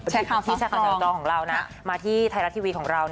แชร์ข่าวฟ้องของเรานะมาที่ไทยรัฐทีวีของเรา